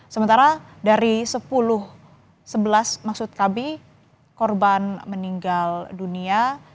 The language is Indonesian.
sementara dari sepuluh sebelas maksud kami korban meninggal dunia